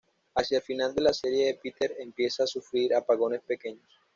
Hacia el final de la serie de Peter empieza a sufrir apagones pequeños.